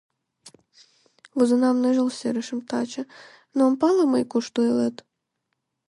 Возенам ныжыл серышым таче, Но ом пале мый, кушто илет?